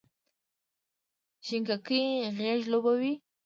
شینککۍ غیږ لوبوې،